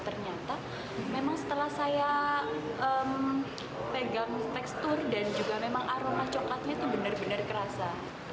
ternyata memang setelah saya pegang tekstur dan juga memang aroma coklatnya itu benar benar kerasa